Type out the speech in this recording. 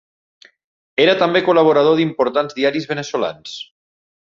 Era també col·laborador d'importants diaris veneçolans.